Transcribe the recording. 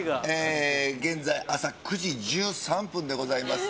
現在朝９時１３分でございます。